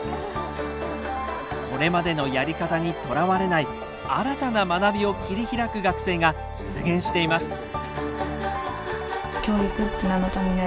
これまでのやり方にとらわれない新たな学びを切り開く学生が出現しています。